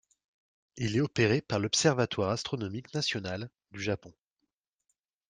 Il est opéré par l'Observatoire astronomique national du Japon.